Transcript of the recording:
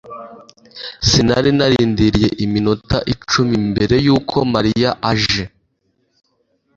Sinari narindiriye iminota icumi mbere yuko Mariya aje